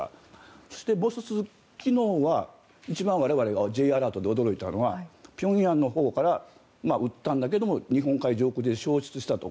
そしてもう１つ昨日は一番我々がＪアラートで驚いたのは平壌のほうから撃ったんだけど日本海上空で消失したと。